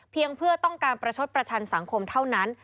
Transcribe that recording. เพื่อต้องการประชดประชันสังคมเท่านั้น